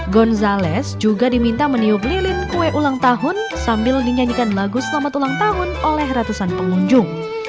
gonzalez juga diminta meniup lilin kue ulang tahun sambil dinyanyikan lagu selamat ulang tahun oleh ratusan pengunjung